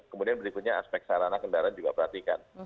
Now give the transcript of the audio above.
kemudian berikutnya aspek sarana kendaraan juga perhatikan